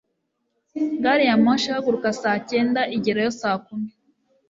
Gari ya moshi ihaguruka saa cyenda, igerayo saa kumi.